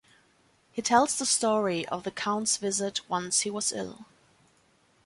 He tells the story of the Count's visit once he was ill.